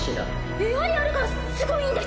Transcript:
エアリアルがすごいんです。